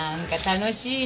楽しい。